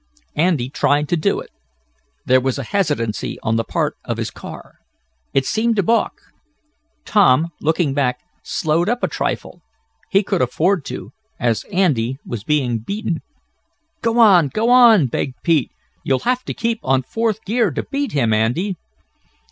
Andy tried to do it. There was a hesitancy on the part of his car. It seemed to balk. Tom, looking back, slowed up a trifle. He could afford to, as Andy was being beaten. "Go on! Go on!" begged Pete. "You'll have to keep on fourth gear to beat him, Andy."